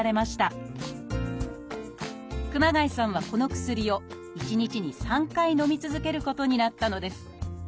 熊谷さんはこの薬を１日に３回のみ続けることになったのです。